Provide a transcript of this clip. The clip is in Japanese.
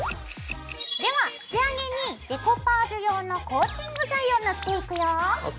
では仕上げにデコパージュ用のコーティング剤を塗っていくよ。ＯＫ。